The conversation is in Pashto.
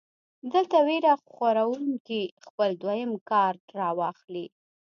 دلته وېره خوروونکے خپل دويم کارډ راواخلي -